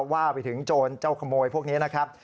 ว่าไปถึงโจรเจ้าขโมยพวกนี้นะครับ